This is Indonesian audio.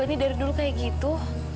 ini dari dulu kayak gitu